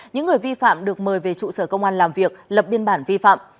những người vi phạm được mời về trụ sở công an làm việc lập biên bản vi phạm